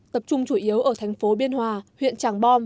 tập trung chủ yếu ở thành phố biên hòa huyện tràng bom